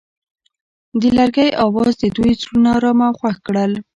د لرګی اواز د دوی زړونه ارامه او خوښ کړل.